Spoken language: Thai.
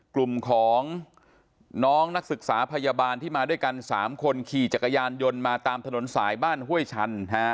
กลุ่มของน้องนักศึกษาพยาบาลที่มาด้วยกัน๓คนขี่จักรยานยนต์มาตามถนนสายบ้านห้วยชัน